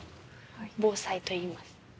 防災と言います。